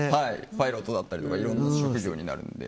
パイロットだったりとかいろんな職業になるので。